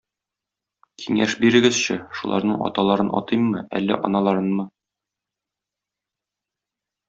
Киңәш бирегезче, шуларның аталарын атыйммы, әллә аналарынмы?